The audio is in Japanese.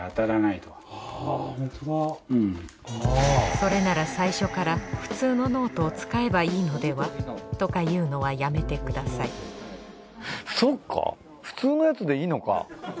それなら最初から普通のノートを使えばいいのでは？とか言うのはやめてくださいそっか。